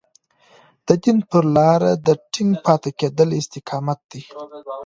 د دين پر لار د ټينګ پاتې کېدل استقامت دی.